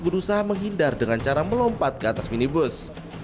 berusaha menghindar dengan cara melompat ke atas minibus